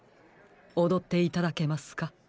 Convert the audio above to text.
おどっていただけますか？